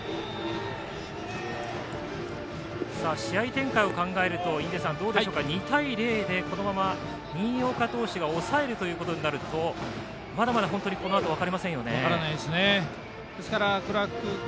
試合展開を考えると２対０でこのまま新岡投手が抑えることになるとまだまだ本当にこのあと分かりませんよね。